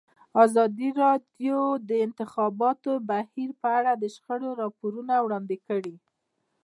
ازادي راډیو د د انتخاباتو بهیر په اړه د شخړو راپورونه وړاندې کړي.